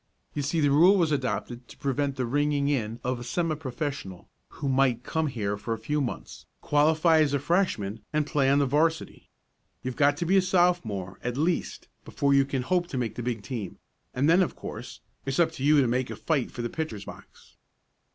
"You see the rule was adopted to prevent the ringing in of a semi professional, who might come here for a few months, qualify as a Freshman, and play on the 'varsity. You've got to be a Sophomore, at least, before you can hope to make the big team, and then of course, it's up to you to make a fight for the pitcher's box."